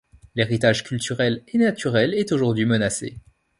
L'héritage culturel et naturel est aujourd'hui menacé.